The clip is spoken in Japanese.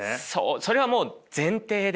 それはもう前提で。